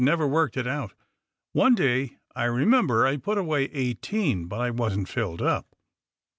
''Never worked it out. One day, I remember, I put away eighteen, but I wasn't filled up."